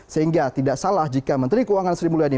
sehingga tidak salah jika menteri keuangan seribu liani